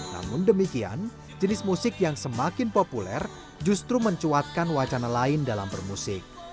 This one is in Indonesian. namun demikian jenis musik yang semakin populer justru mencuatkan wacana lain dalam bermusik